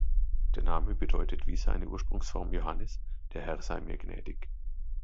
Der Name bedeutet wie seine Ursprungsform Johannes "Der Herr sei mir gnädig".